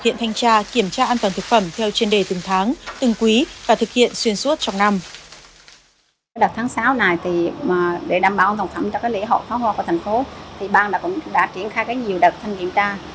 hiện thanh tra kiểm tra an toàn thực phẩm theo chuyên đề từng tháng từng quý và thực hiện xuyên suốt trong năm